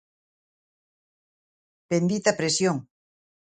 Bendita presión.